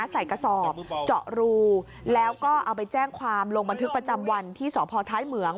กระสอบเจาะรูแล้วก็เอาไปแจ้งความลงบันทึกประจำวันที่สพท้ายเหมือง